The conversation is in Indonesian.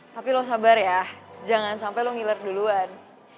tapi lo sabar ya jangan sampai lo ngiler duluan